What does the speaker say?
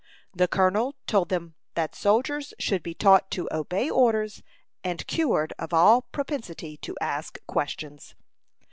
The colonel told them that soldiers should be taught to obey orders, and cured of all propensity to ask questions.